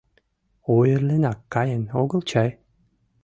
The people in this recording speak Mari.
Ойырленак каен огыл чай?